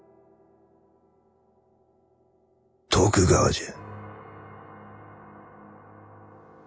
徳川じゃ。